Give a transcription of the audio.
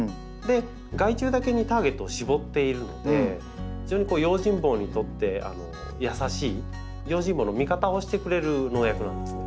害虫だけにターゲットを絞っているので非常に用心棒にとって優しい用心棒の味方をしてくれる薬剤なんですね。